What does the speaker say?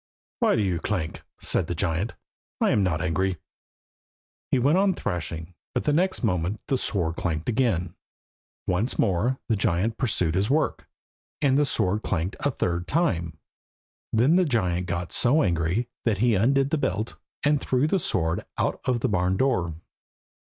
"Why do you clank?" said the giant. "I am not angry." He went on thrashing, but the next moment the sword clanked again. Once more the giant pursued his work, and the sword clanked a third time. Then the giant got so angry that he undid the belt, and threw the sword out of the barn door.